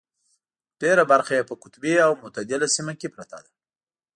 ډېره برخه یې په قطبي او متعدله سیمه کې پرته ده.